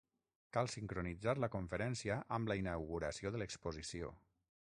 Cal sincronitzar la conferència amb la inauguració de l'exposició.